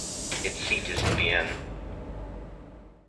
Its seat is in Vienne.